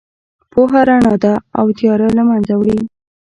پوهه رڼا ده او تیاره له منځه وړي.